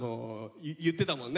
言ってたもんね。